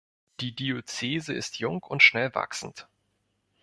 Die Diözese ist jung und schnell wachsend.